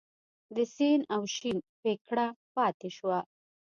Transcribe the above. د سین او شین پیکړه پاتې شوه.